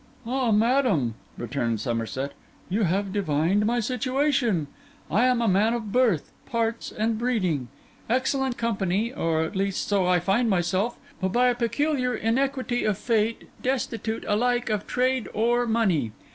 'Ah, madam,' returned Somerset, 'you have divined my situation. I am a man of birth, parts, and breeding; excellent company, or at least so I find myself; but by a peculiar iniquity of fate, destitute alike of trade or money.